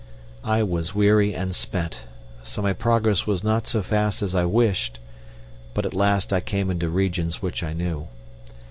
I was weary and spent, so my progress was not so fast as I wished; but at last I came into regions which I knew.